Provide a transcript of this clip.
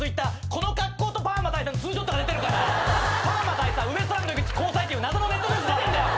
この格好とパーマ大佐のツーショットが出てるから「パーマ大佐ウエストランド井口交際」っていう謎のネットニュース出てんだよ！